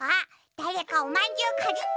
だれかおまんじゅうかじった！